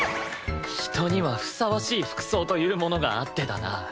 人にはふさわしい服装というものがあってだな。